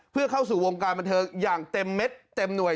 เพื่อเข้าสู่วงการบันเทิงอย่างเต็มเม็ดเต็มหน่วย